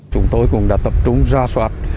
chúng tôi cũng đã tập trung ra soát